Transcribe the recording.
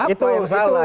apa yang salah